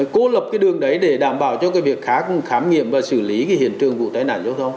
cố lập cái đường đấy để đảm bảo cho việc khám nghiệm và xử lý hiện trường vụ tai nạn giao thông